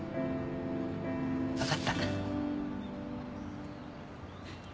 わかった。